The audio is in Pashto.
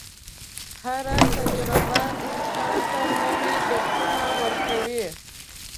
هره تجربه انسان ته نوي درسونه ورکوي.